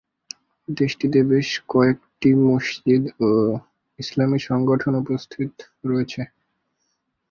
দেশটিতে বেশ কয়েকটি মসজিদ ও ইসলামী সংগঠন উপস্থিত রয়েছে।